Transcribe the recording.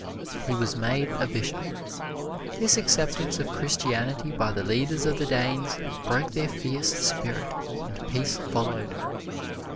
He was made a bishop. This acceptance of Christianity by the leaders of the Danes broke their fierce spirit, and peace followed.